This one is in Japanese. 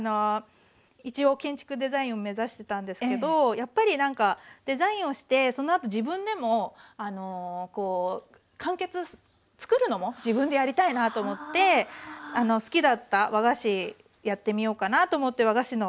一応建築デザインを目指してたんですけどやっぱりなんかデザインをしてそのあと自分でもあの完結作るのも自分でやりたいなと思って好きだった和菓子やってみようかなと思って和菓子の学校に入りました。